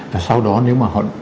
và sau đó nếu mà họ